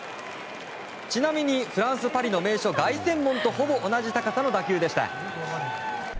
ちなみにフランス・パリの名所凱旋門とほぼ同じ高さの打球でした。